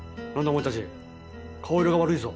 お前たち顔色が悪いぞ。